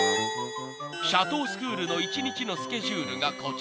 ［シャトースクールの１日のスケジュールがこちら］